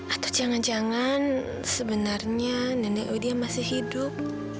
atau jangan jangan sebenarnya nenek widya masih hidup